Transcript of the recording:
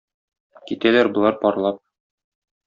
Китәләр болар парлап.